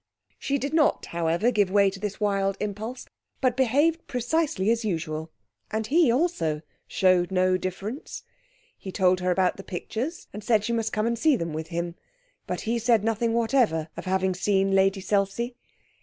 She did not, however, give way to this wild impulse, but behaved precisely as usual; and he, also, showed no difference. He told her about the pictures, and said she must come and see them with him, but he said nothing whatever of having seen Lady Selsey.